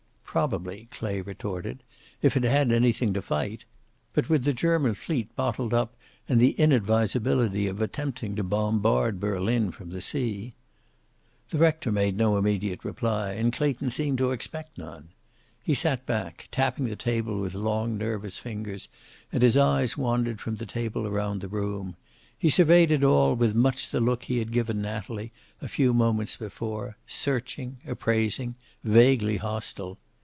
"Probably," Clay retorted. "If it had anything to fight! But with the German fleet bottled up, and the inadvisability of attempting to bombard Berlin from the sea " The rector made no immediate reply, and Clayton seemed to expect none. He sat back, tapping the table with long, nervous fingers, and his eyes wandered from the table around the room. He surveyed it all with much the look he had given Natalie, a few moments before, searching, appraising, vaguely hostile.